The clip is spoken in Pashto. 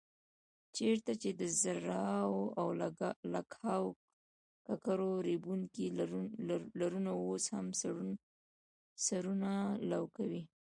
چېرته چې د زرهاو او لکهاوو ککرو ریبونکي لرونه اوس هم سرونه لو کوي.